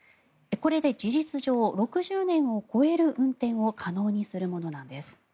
これで事実上、６０年を超える運転を可能にするものなんです。